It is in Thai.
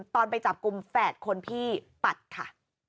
ไปจับกลุ่มแฝดคนพี่ปัดค่ะ